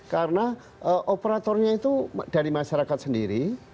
karena operatornya itu dari masyarakat sendiri